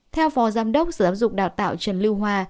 theo phó giám đốc sở giáo dụng đào tạo trần lưu hoa